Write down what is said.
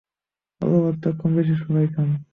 আলু ভর্তা কমবেশি সবাই খান।